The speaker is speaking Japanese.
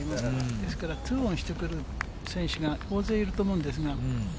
ですから２オンしてくる選手が大勢いると思うんですが。